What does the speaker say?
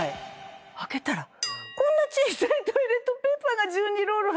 開けたらこんな小さいトイレットペーパーが１２ロール入ってたの。